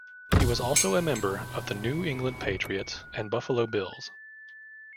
He was also a member of the New England Patriots and Buffalo Bills.